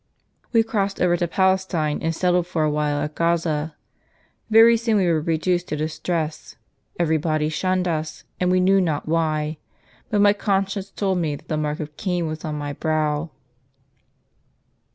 We crossed over to Palestine, and settled for a while at Gaza. Very soon we were reduced to distress ; every body shunned us, we knew not why ; but my conscience told me that the mark of Cain was on my brow."